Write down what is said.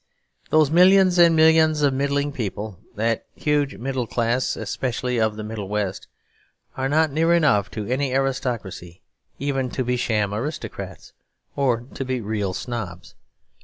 Those millions and millions of middling people, that huge middle class especially of the Middle West, are not near enough to any aristocracy even to be sham aristocrats, or to be real snobs.